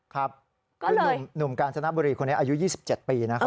ครับคือนุ่มกาญจนบุรีคนนี้อายุ๒๗ปีนะครับ